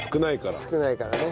少ないからね。